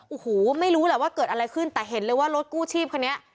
โอ้โหไม่รู้แหละว่าเกิดอะไรขึ้นแต่เห็นเลยว่ารถกู้ชีพคันนี้